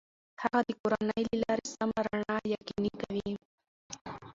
هغه د کورنۍ لپاره سمه رڼا یقیني کوي.